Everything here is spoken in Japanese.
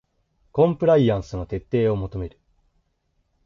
コンプライアンスの徹底を求める